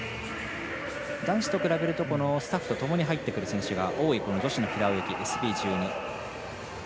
男子と比べるとスタッフとともに入ってくる選手の多い、女子の平泳ぎＳＢ１２。